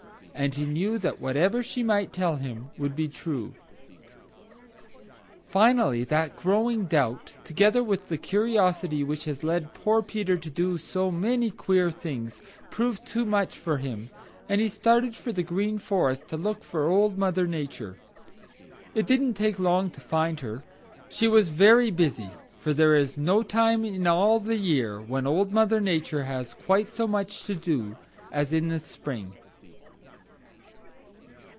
And he knew that whatever she might tell him would be true. Finally that growing doubt, together with the curiosity which has led poor Peter to do so many queer things, proved too much for him and he started for the Green Forest to look for Old Mother Nature. It didn't take long to find her. She was very busy, for there is no time in all the year when Old Mother Nature has quite so much to do as in the spring.